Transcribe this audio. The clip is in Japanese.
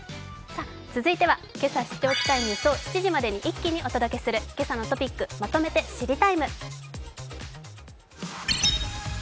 続いては今朝知っておきたいニュースを７時までに一気にお届けする「けさのトピックまとめて知りＴＩＭＥ，」。